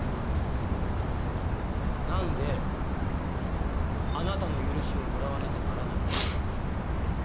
なんであなたの許しをもらわなきゃならないの？